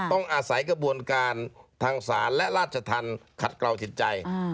ต้องอาศัยกระบวนการทางศาลและราชธรรมขัดกล่าวจิตใจ